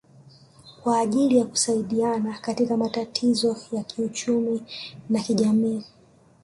kwa ajili ya kusaidiana katika matatizo ya kiuchumi na kijamii